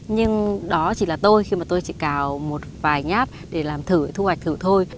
nhưng đó chỉ là tôi khi mà tôi chỉ cào một vài nháp để làm thử thu hoạch thử thôi